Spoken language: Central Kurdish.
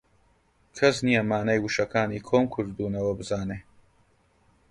کەس نییە مانای وشەکانی کۆم کردوونەوە بزانێ